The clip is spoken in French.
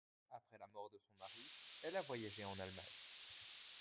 Après la mort de son mari, elle a voyagé en Allemagne.